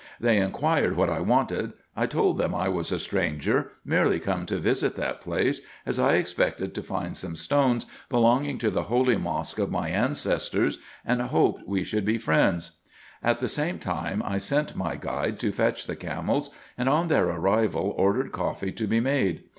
They inquired what I wanted. I told them I was a stranger, merely come to visit that place, as I expected to find some stones belonging to the holy mosque of my IN EGYPT, NUBIA, &c. 405 ancestors, and hoped we should be friends. At the same time, I sent my guide to fetch the camels, and on their arrival ordered coffee to be made.